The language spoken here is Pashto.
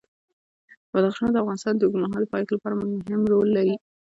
بدخشان د افغانستان د اوږدمهاله پایښت لپاره مهم رول لري.